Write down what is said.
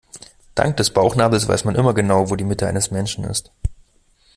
Dank des Bauchnabels weiß man immer genau, wo die Mitte eines Menschen ist.